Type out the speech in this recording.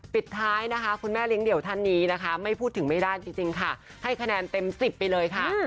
ปิดท้ายนะคะคุณแม่เลี้ยเดี่ยวท่านนี้นะคะไม่พูดถึงไม่ได้จริงค่ะให้คะแนนเต็ม๑๐ไปเลยค่ะ